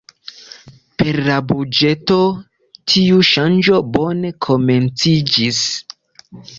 Per la buĝeto, tiu ŝanĝo bone komenciĝis.